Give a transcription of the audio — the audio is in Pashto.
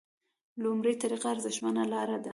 لومړۍ طریقه ارزښتمنه لاره ده.